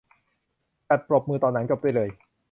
จัดปรบมือตอนหนังจบด้วยเลย